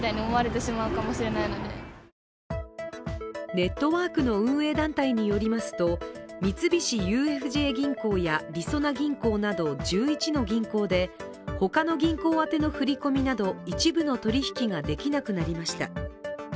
ネットワークの運営団体によりますと三菱ＵＦＪ銀行やりそな銀行など１１の銀行で他の銀行宛ての振り込みなど一部の取り引きができなくなりました。